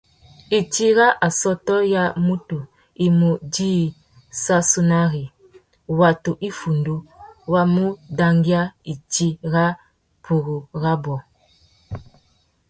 Itsi râ assôtô ya mutu i mú djï sassunari, watu iffundu wa mu dangüia itsi râ purú rabú.